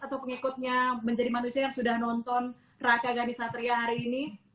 atau pengikutnya menjadi manusia yang sudah nonton raka ghani satria hari ini